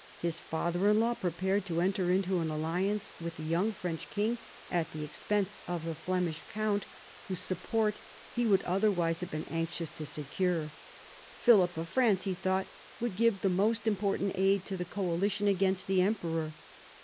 His father in law prepared to enter into an alliance with the young French king at the expense of the Flemish count, whose support he would otherwise have been anxious to secure. Philip of France, he thought, would give the most important aid to the coalition against the emperor.